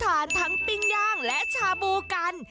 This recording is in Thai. ทั้งปิ้งย่างและชาบูกัน